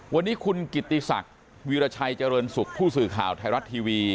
วันนี้คุณกิติศักดิ์วีรชัยเจริญสุขผู้สื่อข่าวไทยรัฐทีวี